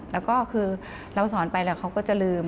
แล้วก็คือเราสอนไปแล้วเขาก็จะลืม